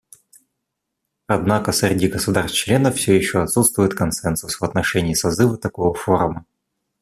Однако среди государств-членов все еще отсутствует консенсус в отношении созыва такого форума.